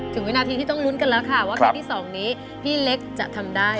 วินาทีที่ต้องลุ้นกันแล้วค่ะว่าเพลงที่๒นี้พี่เล็กจะทำได้